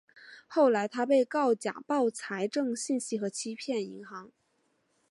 后来他被告假报财政信息和欺骗银行。